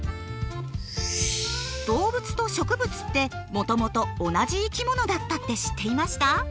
動物と植物ってもともと同じ生き物だったって知っていました？